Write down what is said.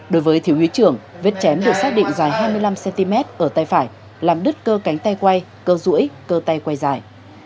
đối với thiếu úy trưởng vết chém được xác định dài hai mươi năm cm ở tay phải làm đứt cơ cánh tay quay cơ rũi cơ tay quay dài